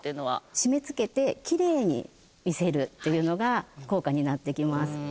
締め付けてキレイに見せるっていうのが効果になってきます。